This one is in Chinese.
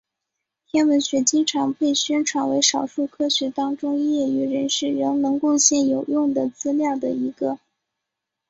天文学经常被宣传为少数科学当中业余人士仍能贡献有用的资料的一个。